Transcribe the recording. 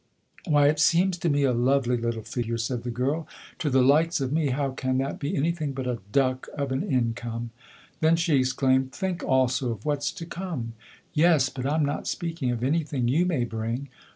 " Why, it seems to me a lovely little figure/' said the girl. " To the ' likes ' of me, how can that be anything but a duck of an income ? Then," she exclaimed, " think also of what's to come !" "Yes but I'm not speaking of anything you may bring."